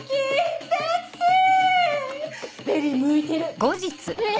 セクシベリー向いてる！